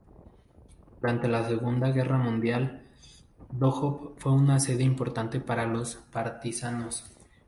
Durante la Segunda Guerra Mundial, Doboj fue una sede importante para los partisanos.